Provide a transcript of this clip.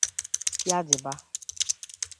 Ya dịba